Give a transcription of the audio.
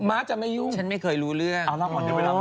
ม้าจะไม่ยุ่งอ๋อแล้วค่ะฉันไม่เคยรู้เรื่อง